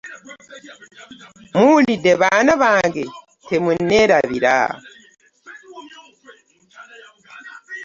Muwulidde baana bange ,temunerabira .